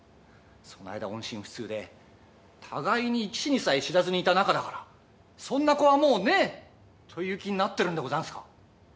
その間音信不通で互いに生き死にさえ知らずにいた仲だからそんな子はもうねえ！という気になってるんでござんすか？